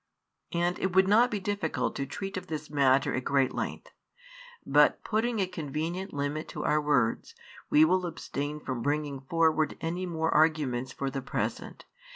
And it would not be difficult to treat of this matter at great length; but putting a convenient limit to our words, we will abstain from bringing forward any more arguments for the present.